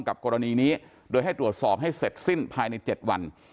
กรณีนี้โดยให้ตรวจสอบให้เสร็จสิ้นภายใน๗วัน